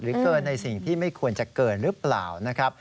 เกินในสิ่งที่ไม่ควรจะเกินหรือเปล่านะครับ